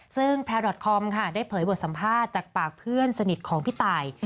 ซึ่งแพลดอทคอมค่ะได้เผยบทสัมภาษณ์จากปากเพื่อนสนิทของพี่ตาย